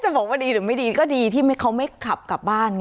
บอกว่าดีหรือไม่ดีก็ดีที่เขาไม่ขับกลับบ้านไง